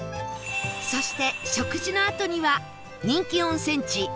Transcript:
そして食事のあとには人気温泉地